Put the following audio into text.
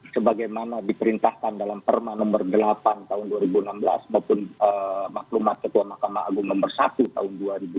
sebagaimana diperintahkan dalam perma nomor delapan tahun dua ribu enam belas maupun maklumat ketua mahkamah agung nomor satu tahun dua ribu dua puluh